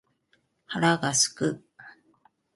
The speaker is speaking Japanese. お腹が空く